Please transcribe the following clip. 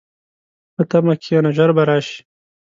په تمه کښېنه، ژر به راشي.